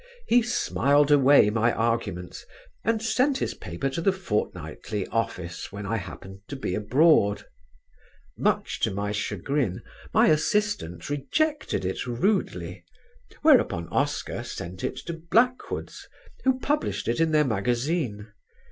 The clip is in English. He smiled away my arguments, and sent his paper to the Fortnightly office when I happened to be abroad. Much to my chagrin, my assistant rejected it rudely, whereupon Oscar sent it to Blackwoods, who published it in their magazine.